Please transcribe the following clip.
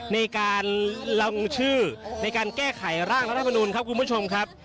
ในการลงชื่อในการแก้ไขร่างรัฐมนุนครับคุณผู้ชมครับ